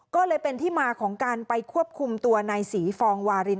ก็เลยเป็นที่มาของการไปควบคุมตัวนายศรีฟองวาริน